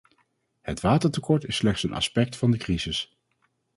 Het watertekort is slechts een aspect van de crisis.